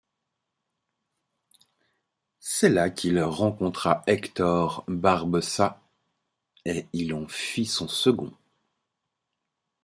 C'est là qu'il rencontra Hector Barbossa et il en fit son second.